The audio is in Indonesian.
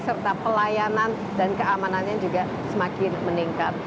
serta pelayanan dan keamanannya juga semakin meningkat